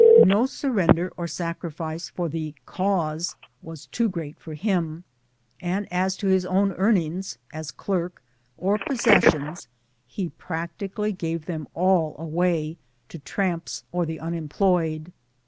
No surrender or sacrifice for the ' cause ' was too great for him ; and as to his own earnings (as clerk) or possessions, he practically gave them all away to tramps or the unemployed.